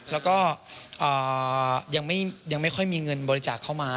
แล้วก็ยังไม่ค่อยมีเงินบริจาคเข้ามา